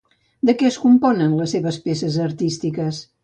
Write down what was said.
De què es componen les seves peces artístiques?